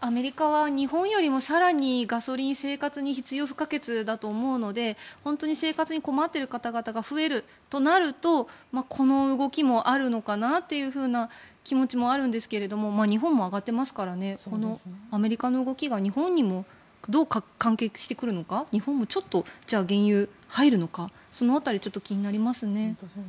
アメリカは日本よりも更にガソリン生活に必要不可欠だと思うので本当に生活に困っている方々が増えるとなるとこの動きもあるのかなというふうな気持ちもあるんですが日本も上がっていますからアメリカの動きが日本にもどう関係してくるのか日本もちょっと原油入るのかその辺り、気になりますね。